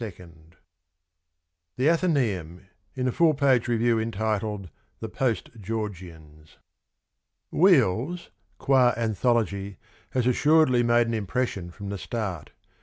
THE A THENAEUM. (In a full page review entitled the ' Post Georgians.' )' Wheels' qua anthology, has assuredly made an impression from the start.